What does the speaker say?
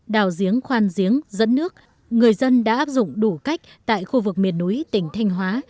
đào giếng khoan giếng dẫn nước người dân đã áp dụng đủ cách tại khu vực miền núi tỉnh thanh hóa